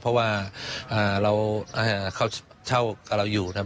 เพราะว่าเขาเช่ากับเราอยู่นะครับ